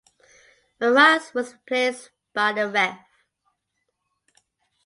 Marais was replaced by the Rev.